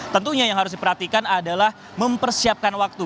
tentunya yang harus diperhatikan adalah mempersiapkan waktu